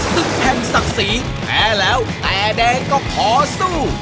ศึกแห่งศักดิ์ศรีแพ้แล้วแต่แดงก็ขอสู้